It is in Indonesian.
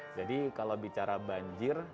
jadi kalau bicara banjir